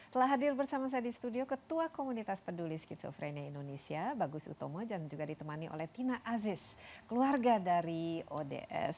telah hadir bersama saya di studio ketua komunitas peduli skizofrenia indonesia bagus utomo dan juga ditemani oleh tina aziz keluarga dari ods